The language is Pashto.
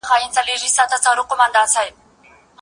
په ټولنه کي د هر ډول کتاب لوستل اجازه لري.